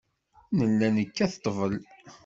Nella nekkat ḍḍbel.